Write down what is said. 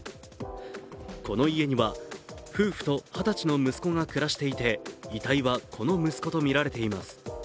この家には、夫婦と２０歳の息子が暮らしていて、遺体はこの息子とみられています。